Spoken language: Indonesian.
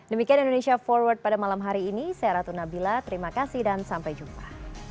selamat malam sehat selalu juga